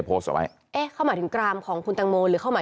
โพสต์เอาไว้เอ๊ะเขาหมายถึงกรามของคุณตังโมหรือเขาหมาย